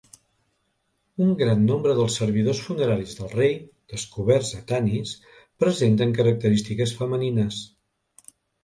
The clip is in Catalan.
Un gran nombre dels servidors funeraris del rei, descoberts a Tanis, presenten característiques femenines.